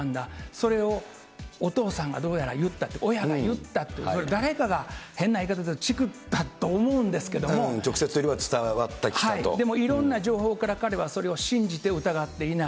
それをお父さんがどうやら言ったって、親が言ったって、それは誰かが変な言い方だけど、チクったと思う直接的にというか、でもいろんな情報から彼はそれを信じて疑っていない。